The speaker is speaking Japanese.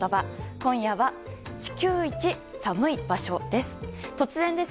今夜は、地球一寒い場所です。